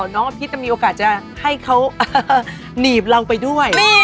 น้องอภิษมีโอกาสจะให้เขาหนีบเราไปด้วย